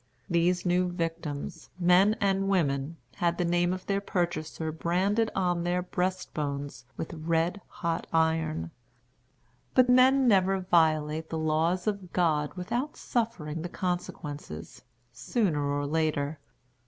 These new victims, men and women, had the name of their purchaser branded on their breast bones with red hot iron. But men never violate the laws of God without suffering the consequences, sooner or later.